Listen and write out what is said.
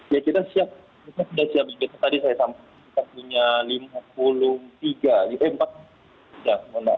ya kita siap